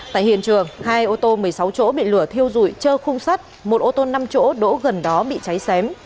tại hiện trường hai ô tô một mươi sáu chỗ bị lửa thiêu rụi chơ khung sát một ô tô năm chỗ đỗ gần đó bị cháy xém